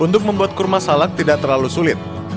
untuk membuat kurma salak tidak terlalu sulit